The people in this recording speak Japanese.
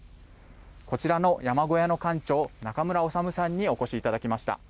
こちらの山小屋の館長、中村修さんにお越しいただきました。